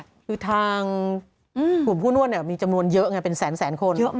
คือทางกลุ่มผู้นวดมีจำนวนเยอะไงเป็นแสนคน